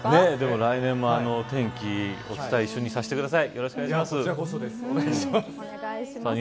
来年も天気を一緒にお伝えさせてください。